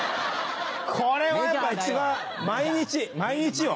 これはやっぱ一番毎日よ。